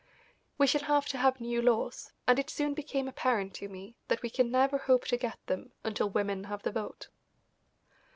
We shall have to have new laws, and it soon became apparent to me that we can never hope to get them until women have the vote.